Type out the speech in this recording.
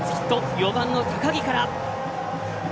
４番の高木から。